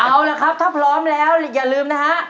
เอาละครับถ้าพร้อมแล้วอย่าลืมนะฮะ